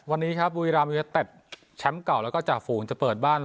วันนี้ครับบุรีรามยูเนเต็ดแชมป์เก่าแล้วก็จ่าฝูงจะเปิดบ้าน